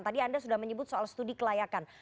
tadi anda sudah menyebut soal studi kelayakan